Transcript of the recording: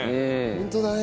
ホントだね。